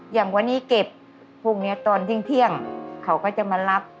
อย่างวันนี้เก็บพรุ่งนี้ตอนเที่ยงเขาก็จะมารับ